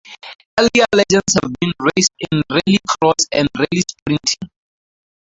Earlier legends have been raced in rallycross and rally sprinting.